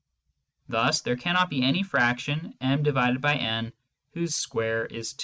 Thus there cannot be any fraction mjn whose square is 2.